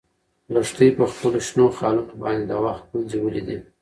لښتې په خپلو شنو خالونو باندې د وخت ګونځې ولیدې.